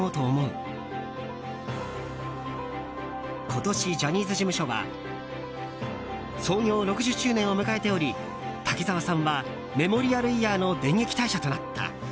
今年、ジャニーズ事務所は創業６０周年を迎えており滝沢さんはメモリアルイヤーの電撃退社となった。